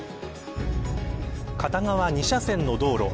片側２車線の道路。